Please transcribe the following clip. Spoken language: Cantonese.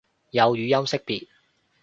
有語音識別